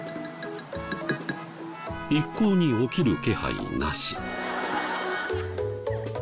一向に起きる気配なし。